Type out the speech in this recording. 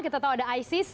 kita tahu ada isis